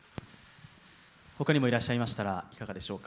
ほかにもいらっしゃいましたら、いかがでしょうか。